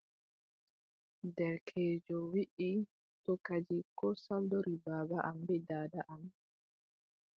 Derkeejo wiʼi: to kadi, ko saldori baaba am bee daada am,